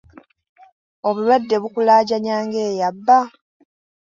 Obulwadde bukulaajanya ng’eyabba.